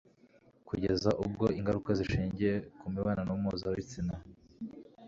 kugeza ubwo ingaruka zishingiye ku mibonano mpuzabitsina